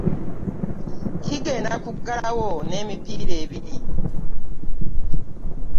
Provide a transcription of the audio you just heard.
Kigenda kuggalawo n'emipiira ebiri